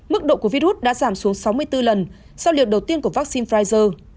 mức độ của virus đã giảm xuống sáu mươi bốn lần sau liều đầu tiên của vaccine pfizer